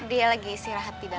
dia lagi sih rahat di dalam